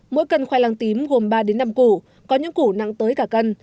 mỗi cân khoai lang tím gồm ba năm củ có những củ nặng tới cả cân